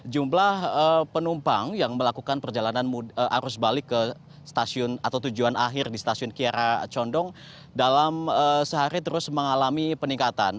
jumlah penumpang yang melakukan perjalanan arus balik ke stasiun atau tujuan akhir di stasiun kiara condong dalam sehari terus mengalami peningkatan